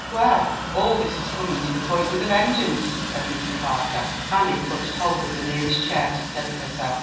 "Well, all this is coming to the point with a vengeance," said Mr. Parker. Annie clutched hold of the nearest chair to steady herself.